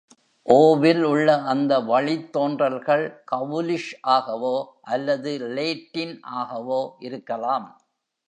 "-o" வில் உள்ள அந்த வழித்தோன்றல்கள், கவுலிஷ் ஆகவோ அல்லது லேட்டின் ஆகவோ இருக்கலாம்.